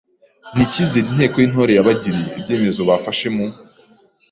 n’icyizere Inteko y’Intore yabagiriye, ibyemezo bafashe mu